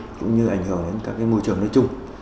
nó cũng ảnh hưởng đến các cái môi trường nói chung